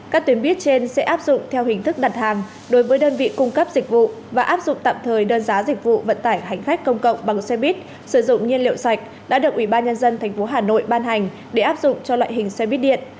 các tuyến buýt trên sẽ áp dụng theo hình thức đặt hàng đối với đơn vị cung cấp dịch vụ và áp dụng tạm thời đơn giá dịch vụ vận tải hành khách công cộng bằng xe buýt sử dụng nhiên liệu sạch đã được ủy ban nhân dân tp hà nội ban hành để áp dụng cho loại hình xe buýt điện